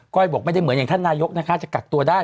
ก้อยบอกไม่ได้เหมือนท่านนายกนะคะจะกัดตัวได้